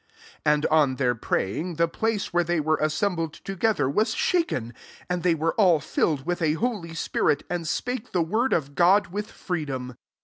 31 And, on their praying, the place where they were assembled together, was shaken ; and they were all filled with a holy spirit, and spake the word of God with freedom.